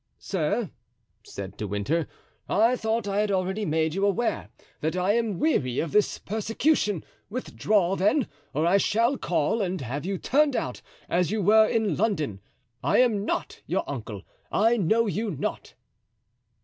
"Sir," said De Winter, "I thought I had already made you aware that I am weary of this persecution; withdraw, then, or I shall call and have you turned out as you were in London. I am not your uncle, I know you not."